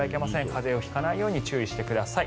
風邪を引かないように注意してください。